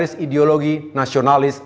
saya bergaris ideologi nasionalis